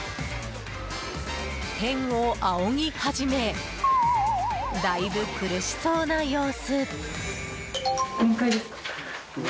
天を仰ぎ始めだいぶ苦しそうな様子。